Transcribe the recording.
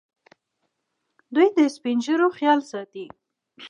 دوی د سپین ږیرو خیال ساتي.